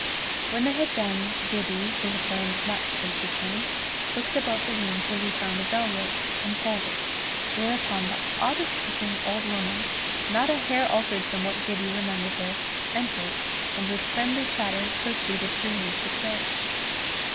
When they had done, Gibbie, who had learned much since he came, looked about the room till he found a bell rope, and pulled it, whereupon the oddest looking old woman, not a hair altered from what Gibbie remembered her, entered, and, with friendly chatter, proceeded to remove the tray.